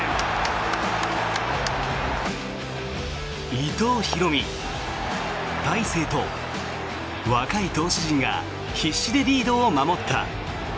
伊藤大海、大勢と若い投手陣が必死でリードを守った。